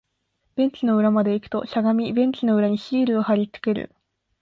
ベンチの裏まで行くと、しゃがみ、ベンチの裏にシールを貼り付ける